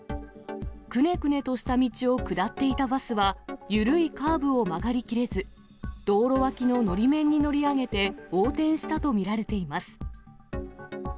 くねくねとした道を下っていたバスは緩いカーブを曲がり切れず、道路脇ののり面に乗り上げて、横転したと見られています。